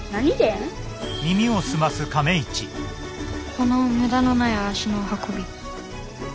この無駄のない足のお運び。